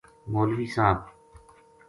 مولوی صاحب